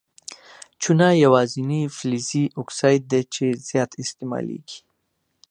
چونه یوازیني فلزي اکساید دی چې زیات استعمالیږي.